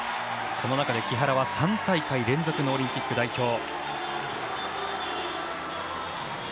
その中で木原は３大会連続のオリンピック代表。